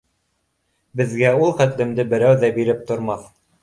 Беҙгә ул хәтлемде берәү ҙә биреп тормаҫ.